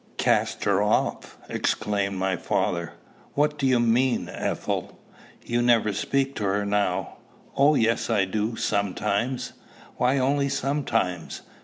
"Cast her off!" exclaimed my father: "what do you mean, Ethel?" "You never speak to her now." "Oh, yes I do, sometimes!" "Why only sometimes?"